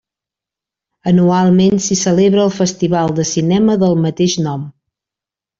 Anualment s'hi celebra el festival de cinema del mateix nom.